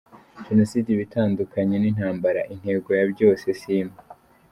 Jenoside iba itandukanye n’intambara ; intego ya byo si imwe :.